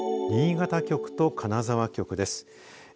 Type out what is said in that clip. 新潟局と金沢局です。